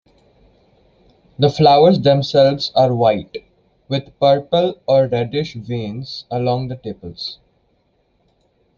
The flowers themselves are white, with purple or reddish veins along the tepals.